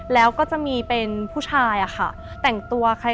แล้วได้สรุปประสุทธิ์